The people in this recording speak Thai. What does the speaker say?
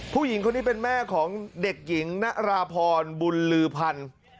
ผู้หญิงคนนี้เป็นแม่ของเด็กหญิงนราพรบุญลือพันธุ์